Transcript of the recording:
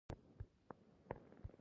د پښتو لپاره باید نوي اثار ولیکل شي.